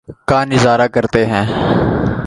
کا نظارہ کرتے ہیں